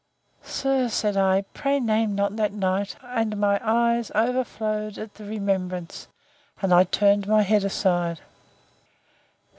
Sir, said I, pray name not that night; and my eyes overflowed at the remembrance, and I turned my head aside.